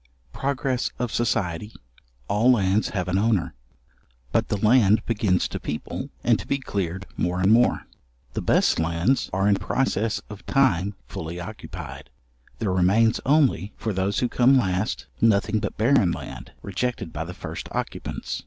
Progress of society; all lands have an owner. But the land begins to people, and to be cleared more and more. The best lands are in process of time fully occupied. There remains only for those who come last, nothing but barren land, rejected by the first occupants.